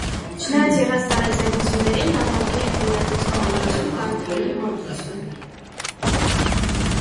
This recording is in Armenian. Չնայած եղած տարաձայնություններին, նամակի հեղինակության հարցում կա ընդհանուր մոտեցում։